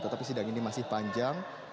tetapi sidang ini masih panjang